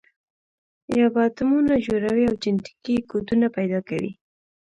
یا به اتمونه جوړوي او جنټیکي کوډونه پیدا کوي.